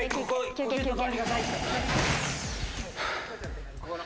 休憩休憩。